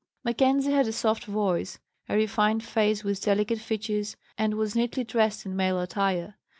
Mackenzie had a soft voice, a refined face with delicate features, and was neatly dressed in male attire.